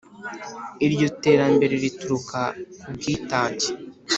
Iryo terambere rituruka ku bwitange